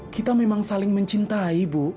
kita memang saling mencintai bu